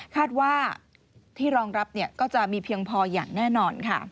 คาดว่าที่รองรับก็จะมีเพียงพออย่างแน่นอนค่ะ